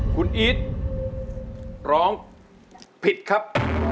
คุณอีทร้องผิดครับ